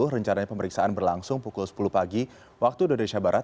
rencananya pemeriksaan berlangsung pukul sepuluh pagi waktu indonesia barat